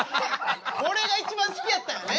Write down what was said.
これが一番好きやったんやね。